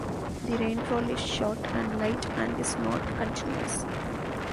The rainfall is short and light and is not continuous.